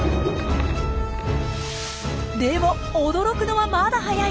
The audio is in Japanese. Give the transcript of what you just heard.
でも驚くのはまだ早い。